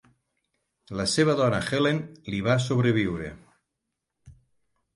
La seva dona Helen li va sobreviure.